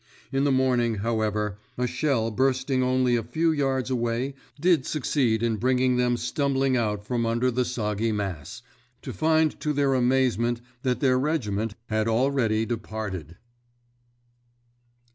In the morning, however, a shell bursting only a few yards away did succeed in bringing them stumbling out from under the soggy mass—to find to their amazement that their regiment had already departed!